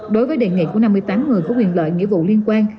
đối với đề nghị của năm mươi tám người có quyền lợi nghĩa vụ liên quan